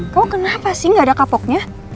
pokoknya kenapa sih gak ada kapoknya